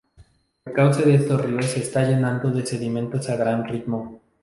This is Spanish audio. El cauce de estos ríos se está llenando de sedimentos a gran ritmo.